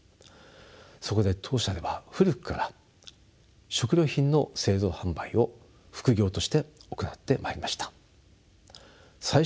そこで当社では古くから食料品の製造販売を副業として行ってまいりました。